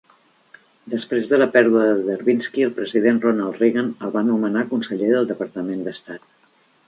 Després de la pèrdua de Derwinski, el president Ronald Reagan el va nomenar conseller del Departament d'Estat.